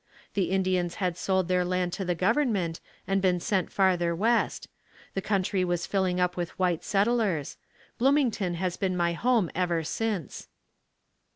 The Indians had sold their land to the government and been sent farther west. The country was filling up with white settlers. Bloomington has been my home ever since.